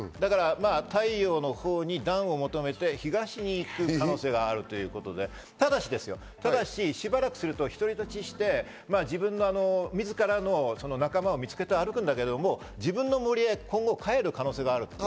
太陽のほうに暖を求めて東に行く可能性があるということでただし、しばらくすると１人立ちして自らの仲間を見つけて歩くんだけど、自分の森へ今後帰る可能性がある。